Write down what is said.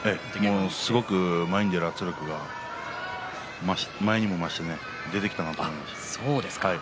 すごく前に出る圧力が前にも増して出てきました。